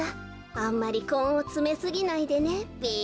あんまりこんをつめすぎないでねべ。